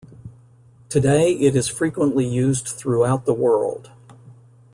Today, it is frequently used throughout the world.